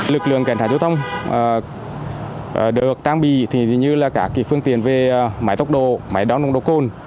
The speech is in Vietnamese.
lực lượng cảnh sát giao thông được trang bị như các phương tiện về máy tốc độ máy đón nồng độ côn